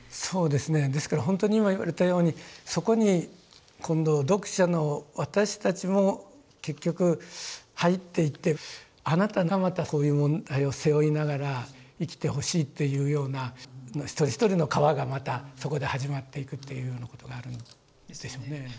そうですねですからほんとに今言われたようにそこに今度読者の私たちも結局入っていってあなたがまたこういう問題を背負いながら生きてほしいっていうような一人一人の河がまたそこで始まっていくというようなことがあるんですよね。